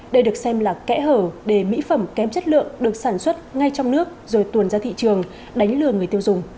đây được xem là kẽ hở để mỹ phẩm kém chất lượng được sản xuất ngay trong nước rồi tuồn ra thị trường đánh lừa người tiêu dùng